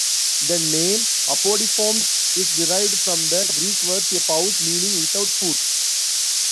The name Apodiformes is derived from the Greek words "a pous," meaning "without foot.